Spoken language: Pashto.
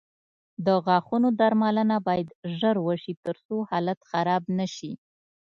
د غاښونو درملنه باید ژر وشي، ترڅو حالت خراب نه شي.